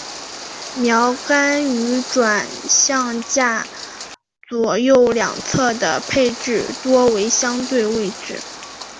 锚杆于转向架左右两侧的配置多为相对位置。